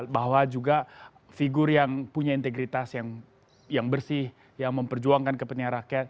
bahwa juga figur yang punya integritas yang bersih yang memperjuangkan kepentingan rakyat